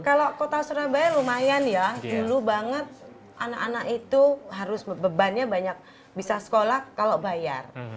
kalau kota surabaya lumayan ya dulu banget anak anak itu harus bebannya banyak bisa sekolah kalau bayar